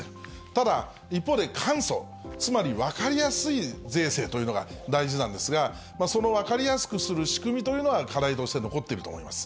ただ、一方で簡素、つまり分かりやすい税制というのが大事なんですが、その分かりやすく仕組みというのは、課題として残ってると思います。